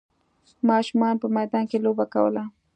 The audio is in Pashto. ماشومانو په میدان کې لوبه کوله.